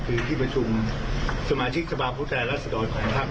คือพี่ประชุมสมาธิกษบาปุรุษแทนรัฐศิกรรมของภาค๑๔๗คน